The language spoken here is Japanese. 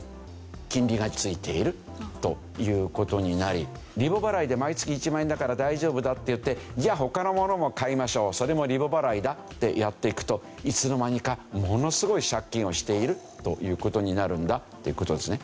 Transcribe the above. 金利が付いているという事になりリボ払いで毎月１万円だから大丈夫だっていってじゃあ他のものも買いましょうそれもリボ払いだってやっていくといつの間にかものすごい借金をしているという事になるんだという事ですね。